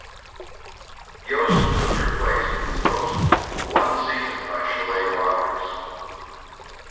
Yost was replaced as host for one season by Shelagh Rogers.